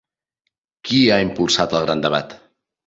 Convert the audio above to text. Qui ha impulsat el Gran debat?